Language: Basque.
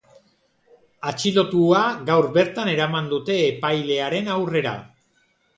Atxilotua gaur bertan eraman dute epailearen aurrera.